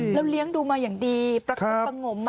แล้วเลี้ยงดูมาอย่างดีประคบประงม